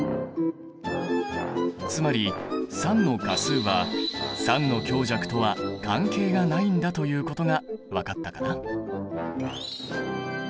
つまり酸の価数は酸の強弱とは関係がないんだということが分かったかな？